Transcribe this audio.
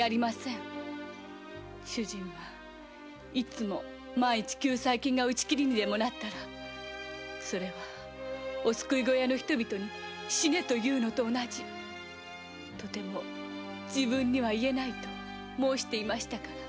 主人はいつも万一救済金が打ち切りにでもなったらそれはお救い小屋の人々に死ねと言うのと同じとても自分には言えないと申していましたから。